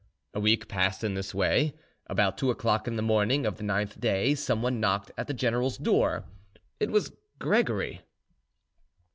A week passed in this way. About two o'clock in the morning of the ninth day, someone knocked at the general's door. It was Gregory.